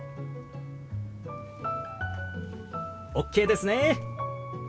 ＯＫですね！